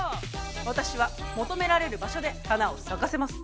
私は求められる場所で花を咲かせます。